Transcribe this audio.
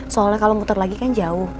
soalnya kalau muter lagi kan jauh